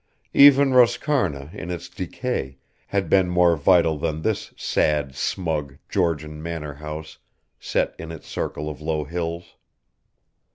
Even Roscarna in its decay had been more vital than this sad, smug Georgian manor house set in its circle of low hills.